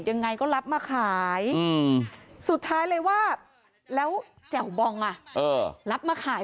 แต่ทางร้านบอกว่าไม่ใช่ละมั้งถึงจะฝาสีแดงเหมือนกัน